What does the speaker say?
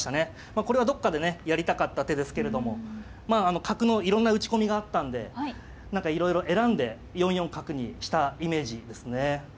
まあこれはどっかでねやりたかった手ですけれども角のいろんな打ち込みがあったんで何かいろいろ選んで４四角にしたイメージですね。